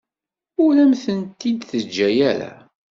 Ur am-tent-id-teǧǧa ara.